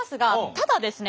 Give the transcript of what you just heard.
ただですね